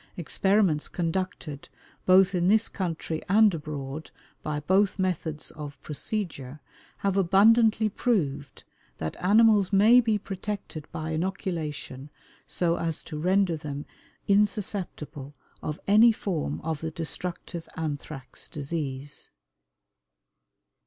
Experiments conducted, both in this country and abroad, by both methods of procedure, have abundantly proved that animals may be protected by inoculation so as to render them insusceptible of any form of the destructive anthrax disease.